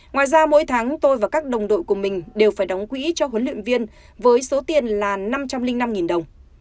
ngoài ra mỗi tháng tôi và các đồng đội của mình đều phải đóng quỹ cho huấn luyện viên với số tiền là năm trăm linh năm đồng